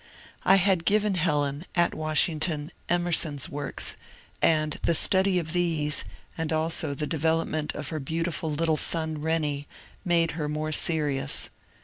I had given Helen, at Washing^n, Emerson's works, and \^e study of these, and also the development of her beautiful ^ [little son ^nnie, made^her more serious.